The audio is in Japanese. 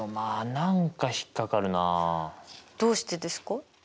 どうしてですか？